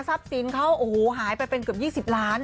ทรัพย์สินเขาหายไปเป็นเกือบ๒๐ล้าน